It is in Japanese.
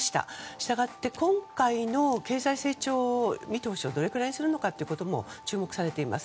したがって今回の経済成長見通しをどれぐらいにするのかも注目されています。